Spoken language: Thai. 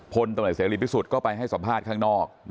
พลตำรวจเสรีพิสุทธิ์ก็ไปให้สัมภาษณ์ข้างนอก